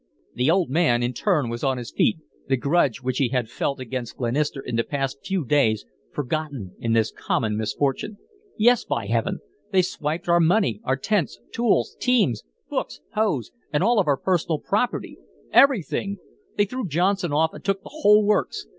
The old man in turn was on his feet, the grudge which he had felt against Glenister in the past few days forgotten in this common misfortune. "Yes, by Heaven, they've swiped our money our tents, tools, teams, books, hose, and all of our personal property everything! They threw Johnson off and took the whole works.